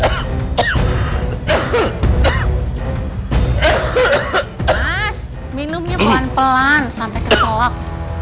mas minumnya pelan pelan sampai kecolak